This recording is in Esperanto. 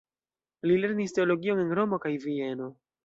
Li lernis teologion en Romo kaj Vieno.